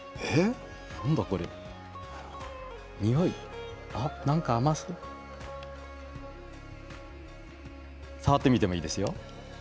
におい、なんか甘そう触ってみてもいいですよ。